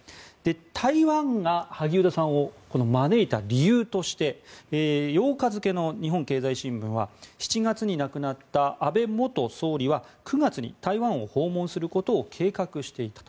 台湾が萩生田さんを招いた理由として８日付の日本経済新聞は７月に亡くなった安倍元総理は９月に台湾を訪問することを計画していたと。